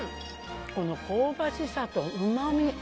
この香ばしさとうまみ。